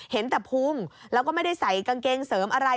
เห็นแต่พุงแล้วก็ไม่ได้ใส่กางเกงเสริมอะไร